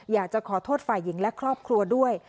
อยากจะขอโทษฝ่ายหญิงและครอบครัวด้วย